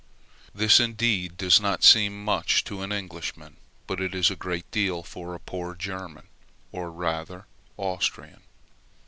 This indeed does not seem much to an Englishman, but it is a great deal for a poor German, or rather Austrian.